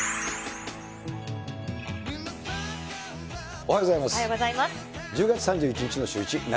おはようございます。